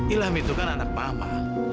ilham itu kan anak pama